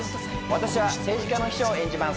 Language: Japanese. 私は政治家の秘書を演じます。